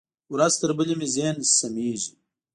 ورځ تر بلې مې ذهن سمېږي.